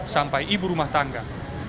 sampai ibu rumah tangga